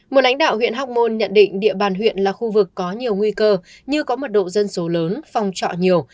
một lãnh đạo huyện hóc môn nhận định địa bàn huyện là khu vực có nhiều nguy cơ như có mật độ dân số lớn phòng trọ nhiều